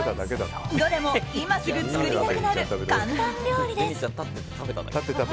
どれも今すぐ作りたくなる簡単料理です。